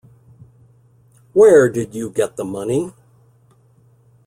Where did you get the money?